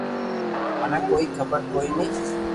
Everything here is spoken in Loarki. منو ڪوئي خبر ڪوئي ني